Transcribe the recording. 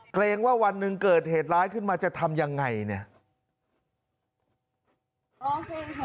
เกรงว่าวันหนึ่งเกิดเหตุร้ายขึ้นมาจะทำยังไงเนี่ย